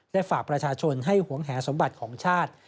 และฝากประชาชนให้หวงแหสมบัติของชาติ